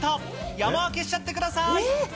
山分けしちゃってください。